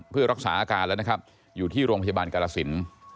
เพื่อรักษาอาการแล้วนะครับอยู่ที่โรงพยาบาลกาลสิน